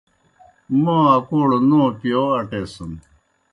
موں اکوڑ نوں پِیوو اٹیسِن۔